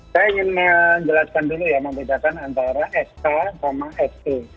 saya ingin menjelaskan dulu ya membedakan antara sk sama se